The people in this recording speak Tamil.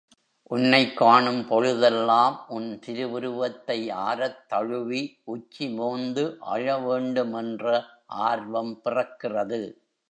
உன்னைக் காணும் பொழுதெல்லாம் உன் திருவுருவத்தை ஆரத்தழுவி உச்சிமோந்து அழவேண்டும் என்ற ஆர்வம் பிறக்கிறது!